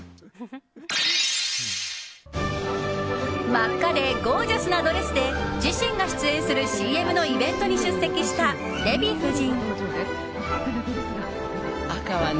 真っ赤でゴージャスなドレスで自身が出演するＣＭのイベントに出席したデヴィ夫人。